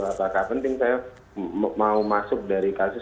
apakah penting saya mau masuk dari kasus